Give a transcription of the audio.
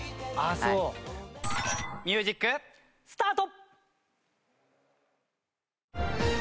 ミュージックスタート！